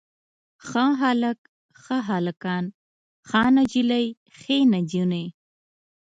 ښه هلک، ښه هلکان، ښه نجلۍ ښې نجونې.